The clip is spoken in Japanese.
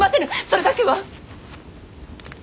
それだけは！